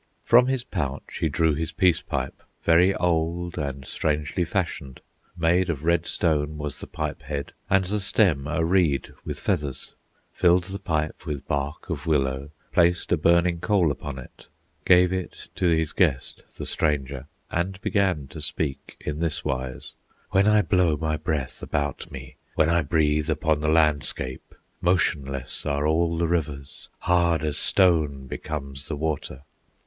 From his pouch he drew his peace pipe, Very old and strangely fashioned; Made of red stone was the pipe head, And the stem a reed with feathers; Filled the pipe with bark of willow, Placed a burning coal upon it, Gave it to his guest, the stranger, And began to speak in this wise: "When I blow my breath about me, When I breathe upon the landscape, Motionless are all the rivers, Hard as stone becomes the water!"